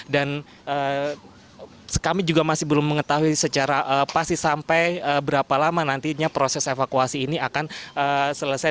dan kami juga masih belum mengetahui secara pasti sampai berapa lama nantinya proses evakuasi ini akan selesai